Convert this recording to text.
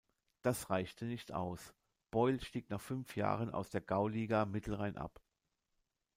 Das reichte nicht aus; Beuel stieg nach fünf Jahren aus der Gauliga Mittelrhein ab.